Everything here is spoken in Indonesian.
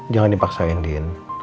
jangan dipaksain din